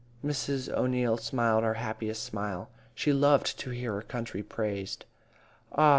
'" Mrs. O'Neil smiled her happiest smile. She loved to hear her country praised. "Ah!